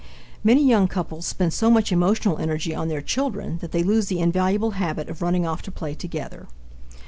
Many young couples spend so much emotional energy on their children that they lose the invaluable habit of running off to play together.